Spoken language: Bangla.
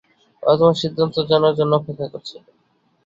ওরা তোমার সিদ্ধান্ত জানার জন্য অপেক্ষা করছে।